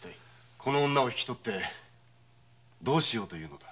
この女を引き取ってどうしようというのだ？